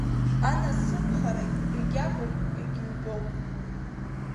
Анасыԥхарагь иагьакуп, иагьыҩбоуп.